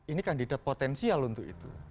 ini kandidat potensial untuk itu